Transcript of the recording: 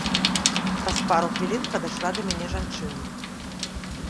Праз пару хвілін падышла да мяне жанчына.